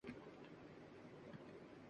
ہر وقت ہوشیار رہنا چاہیے